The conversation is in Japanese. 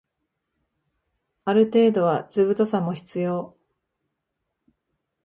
ある程度は図太さも必要